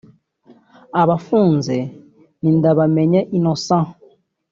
Abafunze ni Ndabamenye Innocent